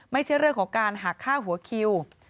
ไม่ใช่เรื่องของการหักค่าหัวคิว